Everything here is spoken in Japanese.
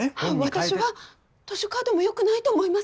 私は図書カードも良くないと思います。